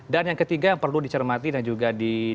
dan yang ketiga yang perlu dicermati dan juga di dalam kisah ini